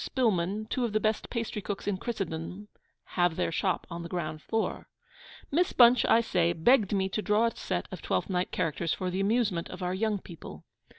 Spillmann, two of the best pastrycooks in Christendom, have their shop on the ground floor): Miss Bunch, I say, begged me to draw a set of Twelfth Night characters for the amusement of our young people.